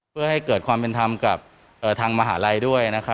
เพื่อให้เกิดความเป็นทำกับเอ่อทางมหาลัยด้วยนะคะ